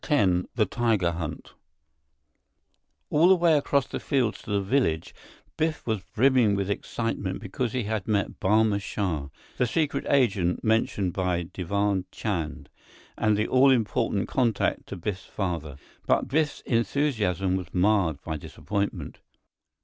X The Tiger Hunt All the way across the fields to the village, Biff was brimming with excitement because they had met Barma Shah, the secret agent mentioned by Diwan Chand, and the all important contact to Biff's father. But Biff's enthusiasm was marred by disappointment.